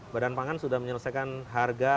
badan pangan sudah menyelesaikan harga